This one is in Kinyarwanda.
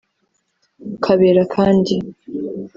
Kabera kandi